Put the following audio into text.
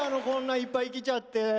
こんないっぱい来ちゃって。